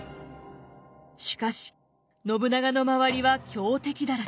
しかし信長の周りは強敵だらけ。